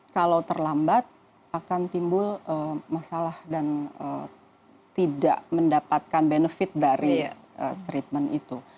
kalau terlambat akan timbul masalah dan tidak mendapatkan benefit dari treatment itu